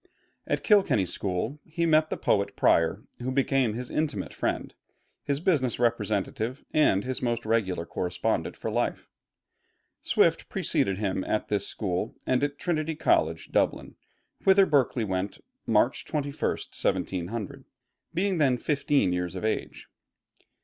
At Kilkenny School he met the poet Prior, who became his intimate friend, his business representative, and his most regular correspondent for life. Swift preceded him at this school and at Trinity College, Dublin, whither Berkeley went March 21, 1700, being then fifteen years of age.